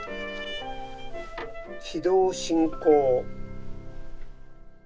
軌道進行！